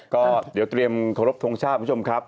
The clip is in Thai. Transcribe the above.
ก็เดี๋ยวเตรียมขอรบทรงชาติคุณผู้ชมครับ